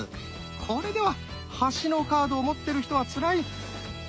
これでは端のカードを持ってる人はつらい！